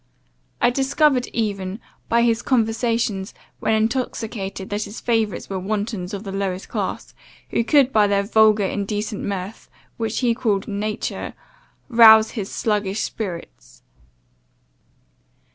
I discovered even, by his conversation, when intoxicated that his favourites were wantons of the lowest class, who could by their vulgar, indecent mirth, which he called nature, rouse his sluggish spirits.